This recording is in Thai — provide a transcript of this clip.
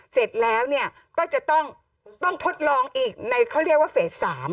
เสร็จแล้วก็จะต้องทดลองอีกในเขาเรียกว่าเฟส๓